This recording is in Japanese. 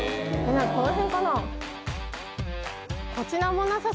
この辺かな？